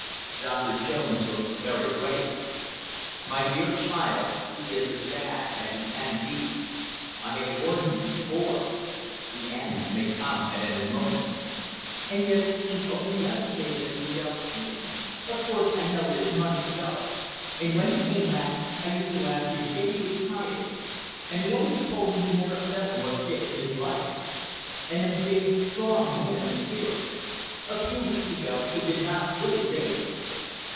Doctor Jones looked very grave. "My dear child, he is as bad as he can be. I have warned you before. The end may come at any moment." "And yet it only seems yesterday that he was out shooting of course I know it is months ago and when he came back, I used to ask him if he was tired, and he always told me he never felt more fit in his life. And a big, strong man in appearance! A few weeks ago he did not look his age."